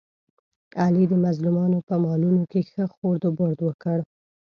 علي د مظلومانو په مالونو کې ښه خورد برد وکړ.